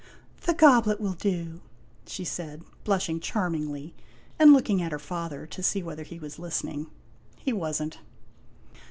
" The goblet will do," she said, blushing charmingly, and looking at her father to see whether he was listening. He was n't.